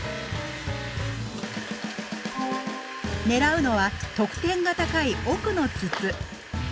狙うのは得点が高い奥の筒。